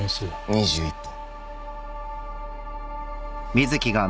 ２１本。